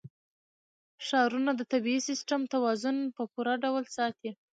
ښارونه د طبعي سیسټم توازن په پوره ډول ساتي.